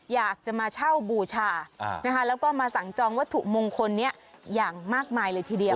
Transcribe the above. อยากจะมาเช่าบูชานะคะแล้วก็มาสั่งจองวัตถุมงคลนี้อย่างมากมายเลยทีเดียว